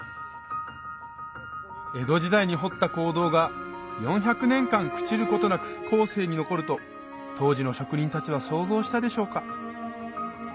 江戸時代に掘った坑道が４００年間朽ちることなく後世に残ると当時の職人たちは想像したでしょうか